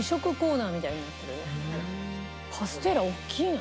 カステーラおっきいな。